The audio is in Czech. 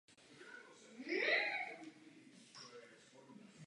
Tato činnost byla ilegální.